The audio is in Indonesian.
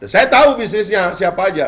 saya tahu bisnisnya siapa aja